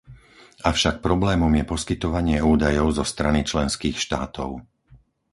Avšak problémom je poskytovanie údajov zo strany členských štátov.